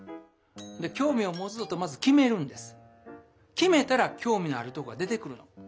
決めたら興味のあるとこが出てくるの。